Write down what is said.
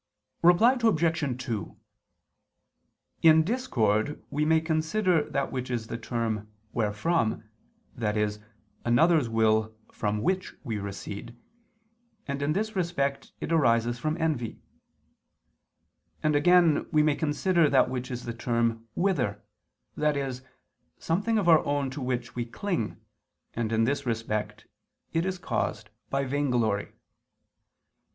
Reply Obj. 2: In discord we may consider that which is the term wherefrom, i.e. another's will from which we recede, and in this respect it arises from envy; and again we may consider that which is the term whither, i.e. something of our own to which we cling, and in this respect it is caused by vainglory.